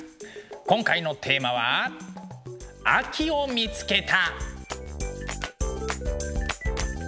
今回のテーマは「秋を見つけた！」。